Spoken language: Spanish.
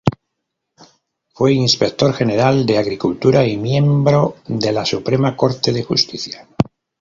Fue Inspector General de Agricultura y miembro de la Suprema Corte de Justicia.